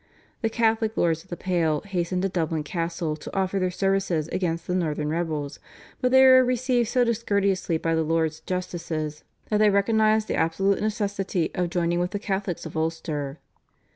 The Catholic Lords of the Pale hastened to Dublin Castle to offer their services against the Northern rebels, but they were received so discourteously by the Lords Justices that they recognised the absolute necessity of joining with the Catholics of Ulster.